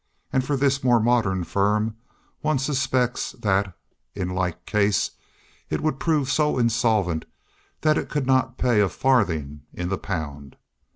As for this more modern firm, one suspects that, in like case, it would prove so insolvent that it could not pay a farthing in the pound.